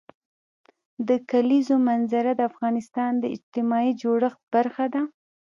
د کلیزو منظره د افغانستان د اجتماعي جوړښت برخه ده.